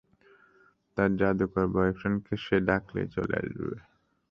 তার যাদুকর বয়ফ্রেন্ডকে সে ডাকলেই চলে আসবে।